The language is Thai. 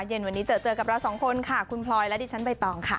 เย็นวันนี้เจอเจอกับเราสองคนค่ะคุณพลอยและดิฉันใบตองค่ะ